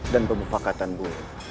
dan pemufakatan buruk